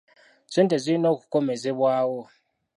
Ssente zirina okukomezebwawo.